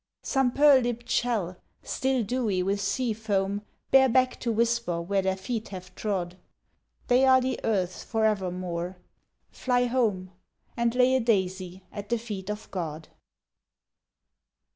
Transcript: Some pearl lipped shell still dewy with sea foam Bear back to whisper where their feet have trod; They are the earth's for evermore; fly home! And lay a daisy at the feet of God.